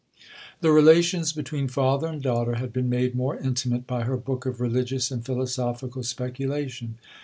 The relations between father and daughter had been made more intimate by her book of religious and philosophical speculation.